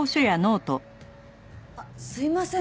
あっすいません